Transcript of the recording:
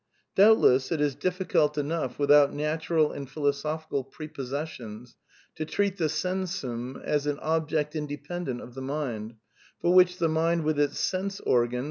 "Doubtless it is difficult enough, without natural and philo sophical prepossessions, to treat the sensum as an object in j dependent of the mind, for which the mind with its sense organ